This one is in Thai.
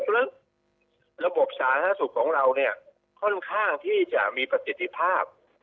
ซึ่งระบบสาธารณสุขของเราเนี่ยค่อนข้างที่จะมีประสิทธิภาพ